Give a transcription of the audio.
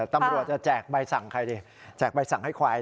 ตำรวจจะแจกใบสั่งใครดิแจกใบสั่งให้ควาย